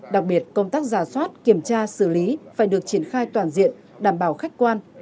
đặc biệt công tác giả soát kiểm tra xử lý phải được triển khai toàn diện đảm bảo khách quan